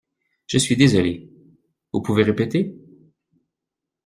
Je suis désolée. Vous pouvez répéter?